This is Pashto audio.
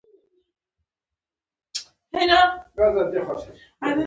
ملګری د یو بل احترام ته ارزښت ورکوي